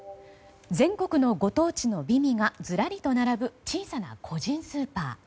全国のご当地の美味がずらりと並ぶ小さな個人スーパー。